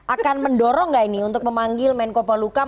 akan mendorong gak ini untuk memanggil menkopolhukam